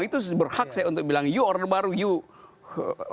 itu berhak saya bilang yuk order baru yuk